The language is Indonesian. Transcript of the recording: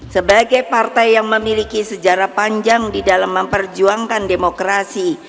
sebagai partai yang memiliki sejarah panjang di dalam memperjuangkan demokrasi